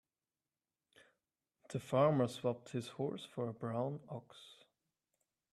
The farmer swapped his horse for a brown ox.